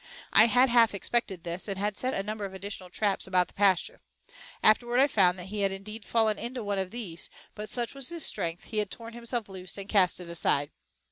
I had half expected this, and had set a number of additional traps about the pasture. Afterward I found that he had indeed fallen into one of these, but, such was his strength, he had torn himself loose and cast it aside.